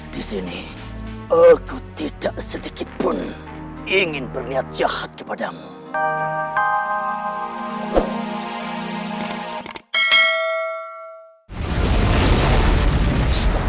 disini aku tidak sedikitpun ingin berniat jahad kepadamu